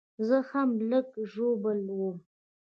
زه هم لږ ژوبل وم